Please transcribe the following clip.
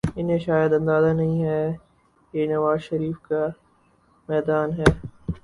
انہیں شاید اندازہ نہیں یہ نواز شریف کا میدان ہے۔